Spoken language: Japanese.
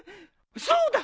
そうだ！